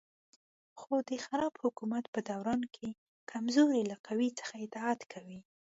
خو د خراب حکومت په دوران کې کمزوري له قوي څخه اطاعت کوي.